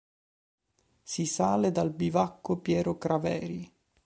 Si sale dal Bivacco Piero Craveri.